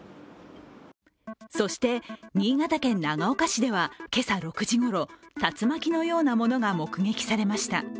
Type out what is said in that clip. そして、新潟県長岡市では今朝６時ごろ、竜巻のようなものが目撃されました。